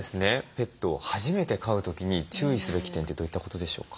ペットを初めて飼う時に注意すべき点ってどういったことでしょうか？